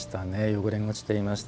汚れが落ちていました。